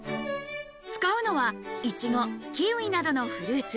使うのは、いちご、キウイなどのフルーツ。